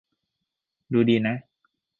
ดูดีนะ